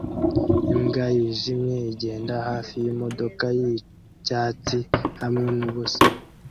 Imbwa yijimye igenda hafi yimodoka yicyatsi hamwe nubusa